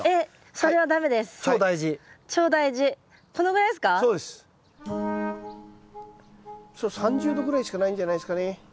それ３０度ぐらいしかないんじゃないですかね。